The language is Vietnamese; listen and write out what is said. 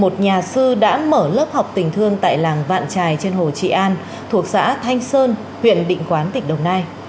một nhà sư đã mở lớp học tình thương tại làng vạn trài trên hồ trị an thuộc xã thanh sơn huyện định quán tỉnh đồng nai